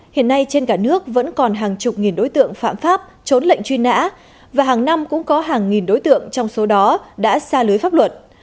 hiện nay trên cả nước vẫn còn hàng chục nghìn đối tượng phạm pháp trốn lệnh truy nã và hàng năm cũng có hàng nghìn đối tượng trong số đó đã xa lưới pháp luật